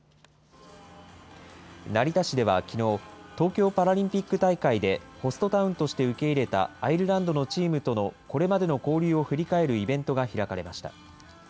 成田市ではきのう、東京パラリンピック大会で、ホストタウンとして受け入れたアイルランドのチームとのこれまでの交流を振り返るイベントが開かれました。